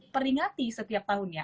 peringati setiap tahunnya